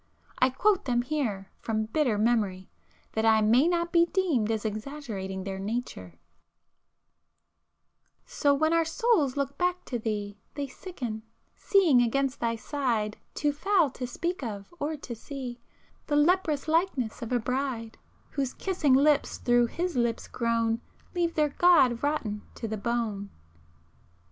I quote them here, from bitter memory, that I may not be deemed as exaggerating their nature— "So when our souls look back to thee, They sicken, seeing against thy side, Too foul to speak of or to see, The leprous likeness of a bride, Whose kissing lips through his lips grown Leave their God rotten to the bone.